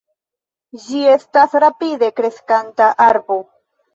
Ĝi estas rapide kreskanta arbo.